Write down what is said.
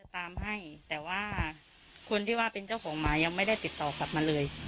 ตามให้แต่ว่าคนที่ว่าเป็นเจ้าของหมายังไม่ได้ติดต่อกลับมาเลย